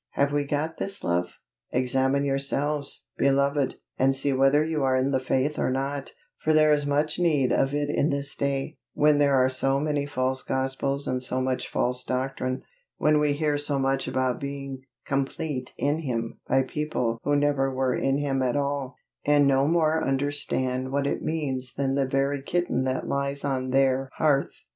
Have we got this love? Examine yourselves, beloved, and see whether you are in the faith or not, for there is much need of it in this day, when there are so many false gospels and so much false doctrine; when we hear so much about being "complete in Him" by people who never were in Him at all, and no more understand what it means than the very kitten that lies on their hearth.